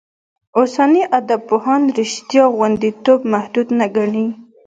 اوسني ادبپوهان رشتیا غوندېتوب محدود نه ګڼي.